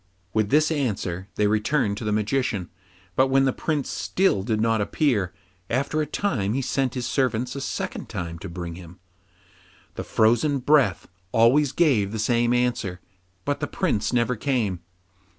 With this answer they returned to the Magician. But when the Prince still did not appear, after a time he sent his servants a second time to bring him. The frozen breath always gave the same answer, but the Prince never came.